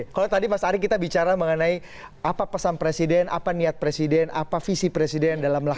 kalau tadi mas ari kita bicara mengenai apa pesan presiden apa niat presiden apa visi presiden dalam melakukan